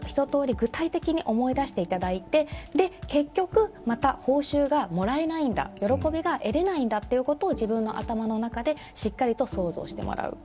具体的に思い出していただいて結局、また報酬がもらえないんだ、喜びが得られないんだということを自分の頭の中でしっかりと想像してもらう。